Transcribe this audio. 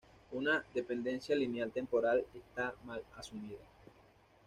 Una dependencia lineal temporal está mal asumida.